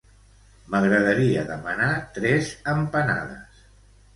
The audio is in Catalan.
M'agradaria demanar tres empanades.